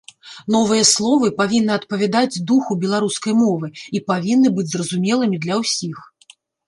Новыя словы павінны адпавядаць духу беларускай мовы і павінны быць зразумелымі для ўсіх.